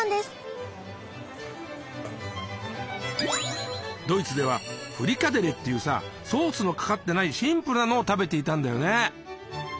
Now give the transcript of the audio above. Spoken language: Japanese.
まずはドイツではフリカデレっていうさソースのかかってないシンプルなのを食べていたんだよね。